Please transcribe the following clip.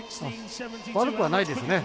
悪くはないですね。